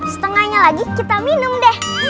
setengahnya lagi kita minum deh